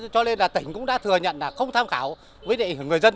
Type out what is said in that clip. cho nên là tỉnh cũng đã thừa nhận là không tham khảo với người dân